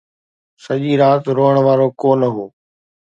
سڄي رات روئڻ وارو ڪو نه هو